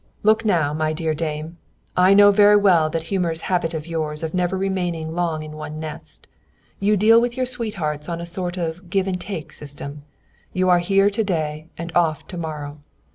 "'Look now, my dear dame, I know very well that humorous habit of yours of never remaining long in one nest. You deal with your sweethearts on a sort of give and take system. You are here to day and off to morrow.